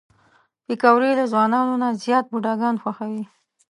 پکورې له ځوانانو نه زیات بوډاګان خوښوي